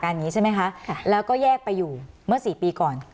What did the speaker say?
อย่างนี้ใช่ไหมคะแล้วก็แยกไปอยู่เมื่อสี่ปีก่อน